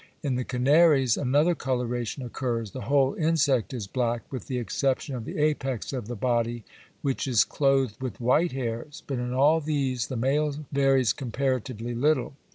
In the Canaries another coloration occurs: the whole insect is black with the exception of the apex of the body which is clothed with white hairs; but in all these the male varies comparatively little.